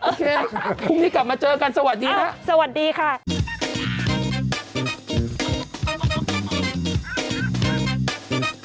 โอเคพรุ่งนี้กลับมาเจอกันสวัสดีค่ะ